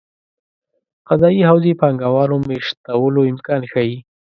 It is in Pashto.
قضايي حوزې پانګه والو مېشتولو امکان ښيي.